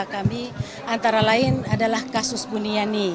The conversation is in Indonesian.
kami antara lain adalah kasus buniani